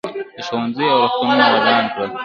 ده ښوونځي او روغتونونه ودان کړل.